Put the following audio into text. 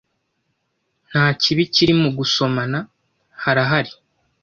Nta kibi kiri mu gusomana, harahari?